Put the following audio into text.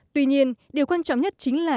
tuy nhiên điều quan trọng nhất chính là